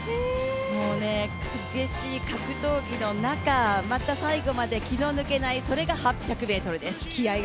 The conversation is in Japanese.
もう激しい格闘技の中また最後まで気の抜けない、それが８００ｍです。